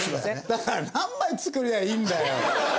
だから何枚作りゃいいんだよ。